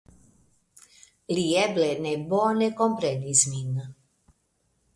Li eble ne bone komprenis min.